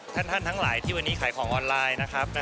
ท่านทั้งหลายที่วันนี้ขายของออนไลน์นะครับ